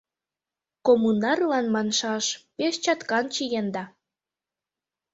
— Коммунарлан маншаш, пеш чаткан чиенда.